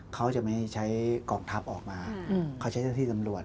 เขาจะไม่ใช้กองทัพออกมาเขาใช้เจ้าที่ตำรวจ